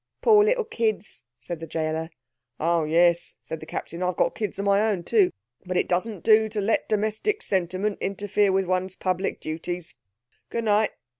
"Poor little kids," said the gaoler. "Oh, yes," said the captain. "I've got kids of my own too. But it doesn't do to let domestic sentiment interfere with one's public duties. Good night."